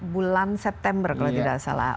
bulan september kalau tidak salah